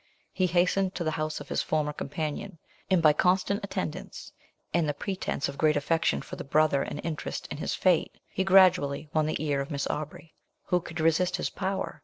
He hastened to the house of his former companion, and, by constant attendance, and the pretence of great affection for the brother and interest in his fate, he gradually won the ear of Miss Aubrey. Who could resist his power?